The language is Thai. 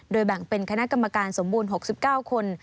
แบ่งเป็นคณะกรรมการสมบูรณ์๖๙คน